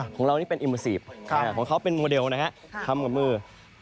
ของเรานี่เป็นอิมเมอร์ซีฟของเขาเป็นโมเดลนะฮะทำกับมือ